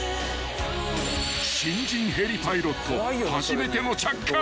［新人ヘリパイロット初めての着艦］